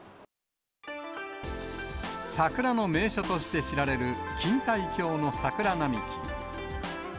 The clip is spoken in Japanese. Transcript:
桜の名所として知られる錦帯橋の桜並木。